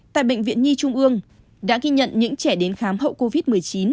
tại bệnh viện nhi trung ương đã ghi nhận những trẻ đến khám hậu covid một mươi chín